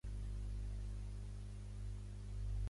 Com ho puc fer per anar a Vilar de Canes?